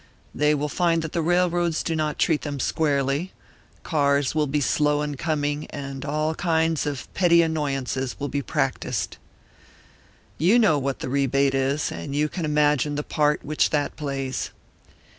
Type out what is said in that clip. They will find that the railroads do not treat them squarely; cars will be slow in coming, and all kinds of petty annoyances will be practised. You know what the rebate is, and you can imagine the part which that plays.